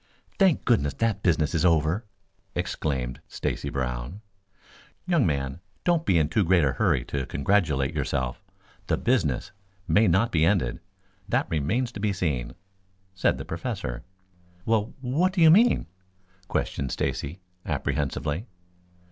"Thank goodness that business is over," exclaimed Stacy Brown. "Young man, don't be in too great a hurry to congratulate yourself. The 'business' may not be ended. That remains to be seen," said the Professor. "Wha what do you mean?" questioned Stacy apprehensively.